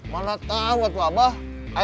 mana tau buat apa